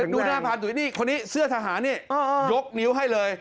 ดูหน้าพันธุยนี่คนนี้เสื้อทหารนี่ยกนิ้วให้เลย